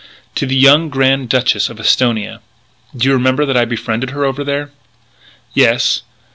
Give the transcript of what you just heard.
"To the young Grand Duchess of Esthonia.... Do you remember that I befriended her over there?" "Yes."